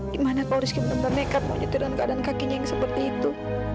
gimana kalau rizky bener bener nekat mau nyetir dengan keadaan kakinya yang seperti itu